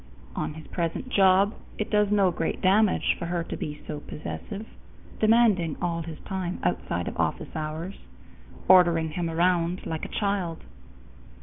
On his present job, it does no great damage for her to be so possessive, demanding all his time outside of office hours, ordering him around like a child.